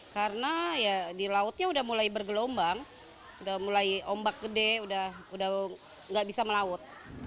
karena ya di lautnya sudah mulai bergelombang sudah mulai ombak gede sudah nggak bisa melaut